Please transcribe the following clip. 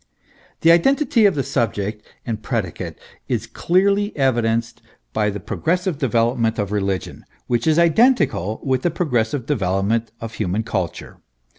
The identity of the subject and predicate is clearly evidenced by the progressive development of religion, which is identical with the progressive development of human culture.